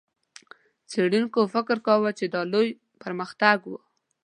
څېړونکو فکر کاوه، چې دا یو لوی پرمختګ و.